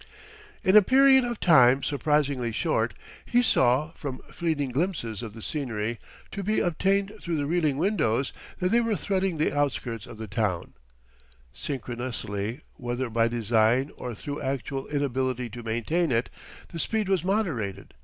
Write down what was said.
In a period of time surprisingly short, he saw, from fleeting glimpses of the scenery to be obtained through the reeling windows, that they were threading the outskirts of the town; synchronously, whether by design or through actual inability to maintain it, the speed was moderated.